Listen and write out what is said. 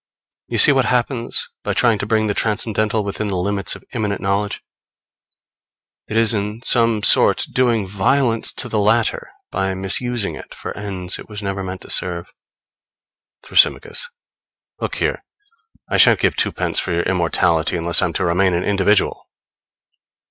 You see what happens by trying to bring the transcendental within the limits of immanent knowledge. It is in some sort doing violence to the latter by misusing it for ends it was never meant to serve. Thrasymachos. Look here, I shan't give twopence for your immortality unless I'm to remain an individual.